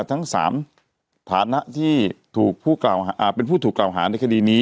ทั้ง๓ฐานะที่ถูกเป็นผู้ถูกกล่าวหาในคดีนี้